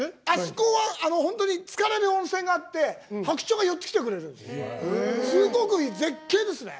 あそこはつかれる温泉があって白鳥が寄ってきてくれるんです。